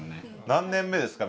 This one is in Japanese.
何年目ですか？